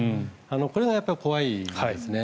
これが怖いんですね。